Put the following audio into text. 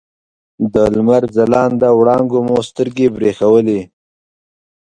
د لمر ځلانده وړانګو مو سترګې برېښولې.